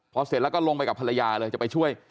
พอเสร็จแล้วก็ลงไปกับภรรยาเลยจะไปช่วย